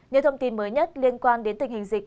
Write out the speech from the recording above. những thông tin mới nhất liên quan đến tình hình dịch